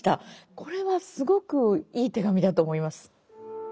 これはすごくいい手紙だと思います。